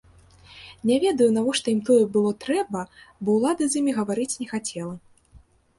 Не ведаю, навошта ім тое было трэба, бо ўлада з імі гаварыць не хацела.